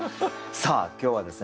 さあ今日はですね